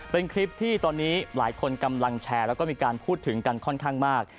เป็นคลิปที่ตอนนี้หลายคนกำลังแชร์แล้วก็มีการพูดถึงกันค่อนข้างมาก